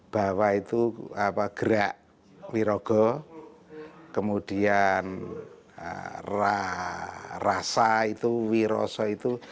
bahwa itu gerak wirogo kemudian rasa itu wiroso itu